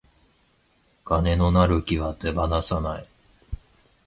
金のなる木は手放さない